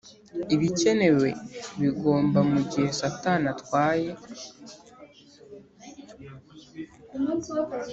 ibikenewe bigomba mugihe satani atwaye